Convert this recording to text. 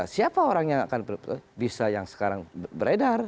siapa orang yang akan bisa yang sekarang beredar